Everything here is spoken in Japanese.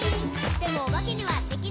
「でもおばけにはできない」